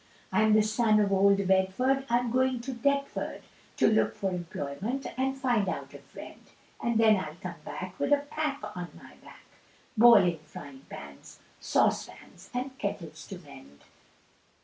I'm the son of old Bedford, I'm going to Deptford To look for employment, and find out a friend, And then I'll come back with a pack on my back, Bawling frying pans, saucepans, and kettles to mend.